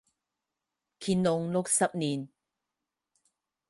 乾隆六十年。